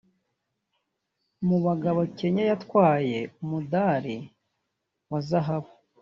Mu bagabo Kenya yatwaye umudali wa zahabu